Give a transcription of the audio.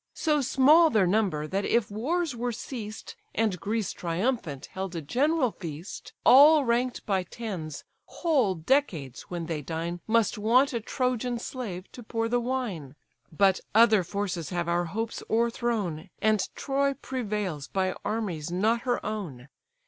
So small their number, that if wars were ceased, And Greece triumphant held a general feast, All rank'd by tens, whole decades when they dine Must want a Trojan slave to pour the wine. But other forces have our hopes o'erthrown, And Troy prevails by armies not her own.